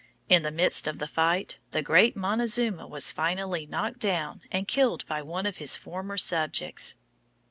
In the midst of the fight, the great Montezuma was finally knocked down and killed by one of his former subjects.